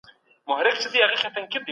که مرغی زخمي وي نه سي البوهمېشهای.